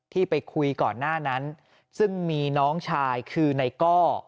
ที่ไปคุยก่อนหน้านั้นซึ่งมีน้องชายคือนายก้อ